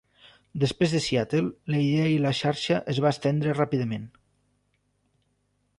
Després de Seattle la idea i la xarxa es va estendre ràpidament.